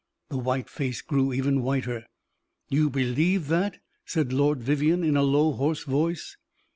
The white face grew even whiter. "You believe that?" said Lord Vivianne, in a low, hoarse voice.